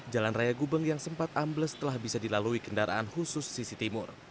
jalan raya gubeng yang sempat ambles telah bisa dilalui kendaraan khusus sisi timur